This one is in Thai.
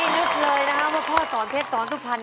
ไม่นึกเลยนะครับว่าพ่อสอนเพศสอนทุกพันธ์